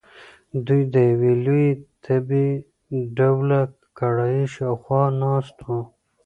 دوی د یوې لویې تبۍ ډوله کړایۍ شاخوا ناست وو.